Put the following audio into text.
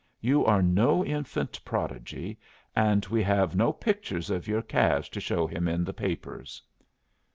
You are no infant prodigy, and we have no pictures of your calves to show him in the papers."